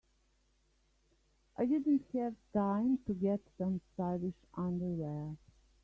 I didn't have time to get some stylish underwear.